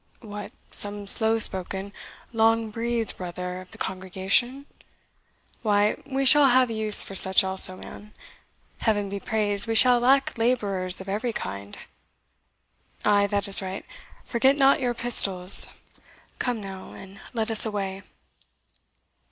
"What, some slow spoken, long breathed brother of the congregation? Why, we shall have use for such also, man. Heaven be praised, we shall lack labourers of every kind. Ay, that is right forget not your pistols. Come now, and let us away."